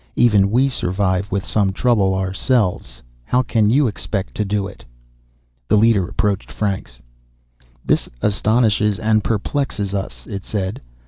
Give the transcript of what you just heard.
Even we survive with some trouble, ourselves. How can you expect to do it?" The leader approached Franks. "This astonishes and perplexes us," it said.